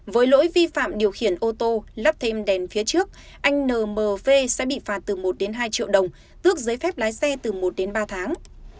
với lỗi vi phạm điều khiển ô tô lắp thêm đèn phía trước anh nmv sẽ bị phạt từ một đến hai triệu đồng tước giấy phép lái xe từ một đến ba tháng